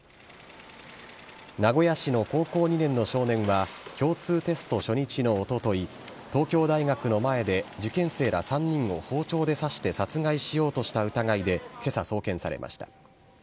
名古屋市の高校２年の少年は、共通テスト初日のおととい、東京大学の前で、受験生ら３人を包丁で刺して殺害しようとした疑いで、けさ送検されました。